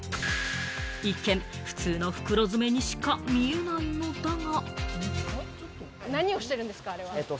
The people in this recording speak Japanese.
一見、普通の袋詰めにしか見えないのだが。